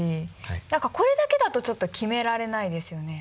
これだけだとちょっと決められないですよね。